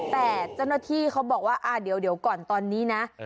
แต่เจ้าหน้าที่เขาบอกว่าเดี๋ยวก่อนตอนนี้นะ